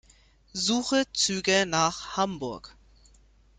Suche Züge nach Hamburg.